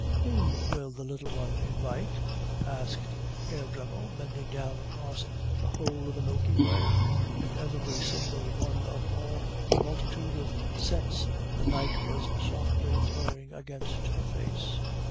"Whom will the Little One invite?" asked Herr Dremmel, bending down across the whole of the Milky Way and every single one of all the multitude of scents the night was softly throwing against her face.